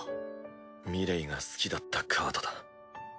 ミレイが好きだったカードだ。